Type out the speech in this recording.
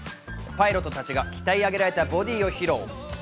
パイロットたちが鍛え上げられたボディを披露。